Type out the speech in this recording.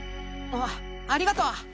あありがとう。